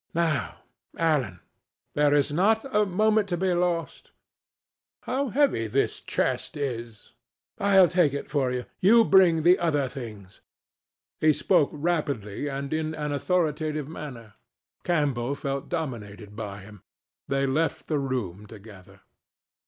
"Now, Alan, there is not a moment to be lost. How heavy this chest is! I'll take it for you. You bring the other things." He spoke rapidly and in an authoritative manner. Campbell felt dominated by him. They left the room together.